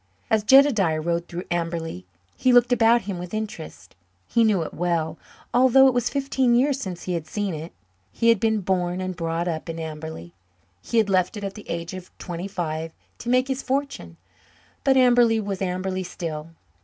As Jedediah rode through Amberley he looked about him with interest. He knew it well, although it was fifteen years since he had seen it. He had been born and brought up in Amberley; he had left it at the age of twenty five to make his fortune. But Amberley was Amberley still.